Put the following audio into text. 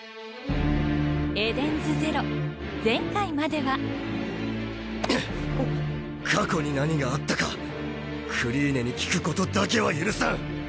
『ＥＤＥＮＳＺＥＲＯ』前回までは過去に何があったかクリーネに聞くことだけは許さん！